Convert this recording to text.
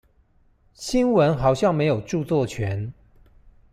新聞好像沒有著作權